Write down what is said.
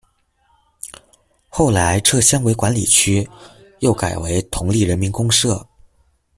后来撤乡为管理区，又改为桐丽人民公社。